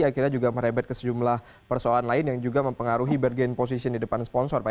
akhirnya juga merebet ke sejumlah persoalan lain yang juga mempengaruhi bergen posisi di depan sponsor